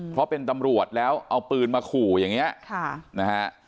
เพราะเป็นตำรวจแล้วเอาปืนมาขู่อย่างนี้นะฮะ